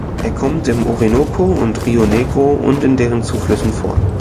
Er kommt im Orinoco und Rio Negro und in deren Zuflüssen vor.